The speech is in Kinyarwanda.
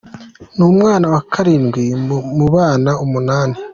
Ni umwana wa Karindwi mu bana umunani.